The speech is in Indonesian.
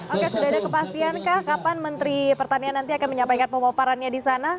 oke sudah ada kepastian kah kapan menteri pertanian nanti akan menyampaikan pemaparannya di sana